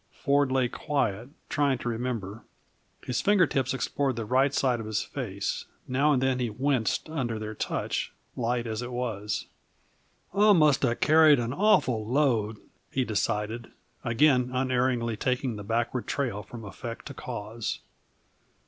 Ford lay quiet, trying to remember. His finger tips explored the right side of his face; now and then he winced under their touch, light as it was. "I must have carried an awful load," he decided, again unerringly taking the backward trail from effect to cause.